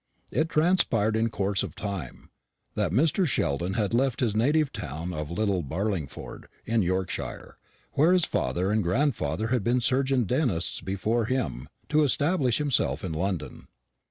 It transpired in course of time that Mr. Sheldon had left his native town of Little Barlingford, in Yorkshire, where his father and grandfather had been surgeon dentists before him, to establish himself in London.